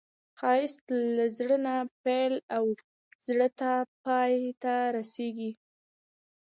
ښایست له زړه نه پیل او زړه ته پای ته رسېږي